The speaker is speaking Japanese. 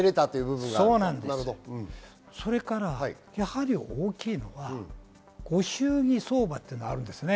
それからやはり大きいのはご祝儀相場というのがあります。